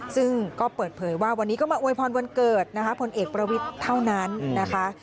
ซึ่งก็เปิดเผยว่าวันนี้ก็มาอวยพรวันเกิดนะคะพลเอกประวิทย์เท่านั้นนะคะ